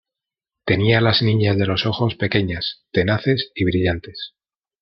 tenía las niñas de los ojos pequeñas, tenaces y brillantes